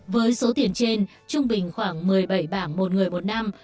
với số tiền trên trung bình khoảng một mươi bảy bảng một người một năm